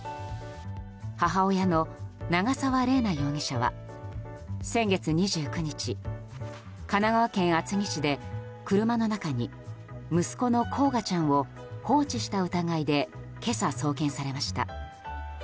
母親の長澤麗奈容疑者は先月２９日神奈川県厚木市で車の中に息子の煌翔ちゃんを放置した疑いで今朝、送検されました。